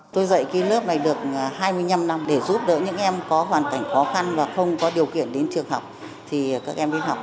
tôi dạy cái lớp này được hai mươi năm năm để giúp đỡ những em có hoàn cảnh khó khăn và không có điều kiện đến trường học thì các em đi học